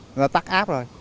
người ta tắt app rồi